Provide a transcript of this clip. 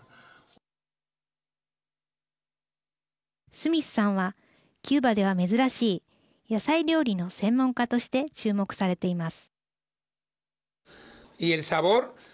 スミスさんはキューバでは珍しい野菜料理の専門家として注目されています。